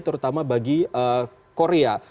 terutama bagi korea